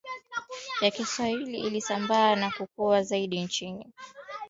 ya Kiswahili ilisambaa na kukua zaidi nchini